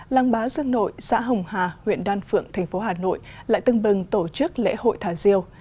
làng bá dương nội xã hồng hà huyện đan phượng thành phố hà nội lại tưng bừng tổ chức lễ hội thả diều